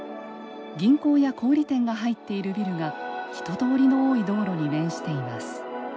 銀行や小売店が入っているビルが人通りの多い道路に面しています。